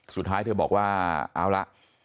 สุดท้ายเธอบอกว่าเอาละ